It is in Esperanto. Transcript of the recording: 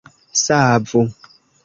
Savu!